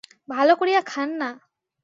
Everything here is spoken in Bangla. ভালো করিয়া খান না।